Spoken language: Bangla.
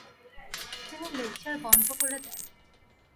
তিনি লেকচার বন্ধ করে দেন।